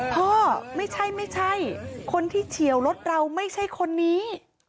ไม่ใช่ไม่ใช่คนที่เฉียวรถเราไม่ใช่คนนี้